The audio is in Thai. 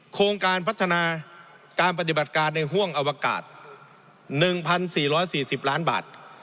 โครงการพัฒนาการปฏิบัติการในห่วงอวกาศ๑๔๔๐ล้านบาท